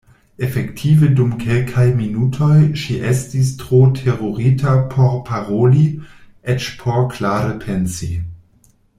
Efektive dum kelkaj minutoj ŝi estis tro terurita por paroli, eĉ por klare pensi.